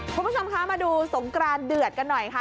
คุณผู้ชมคะมาดูสงกรานเดือดกันหน่อยค่ะ